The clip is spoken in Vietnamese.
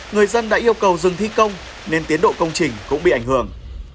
người dân đã yêu cầu dừng thi công nên tiến độ công trình cũng bị ảnh hưởng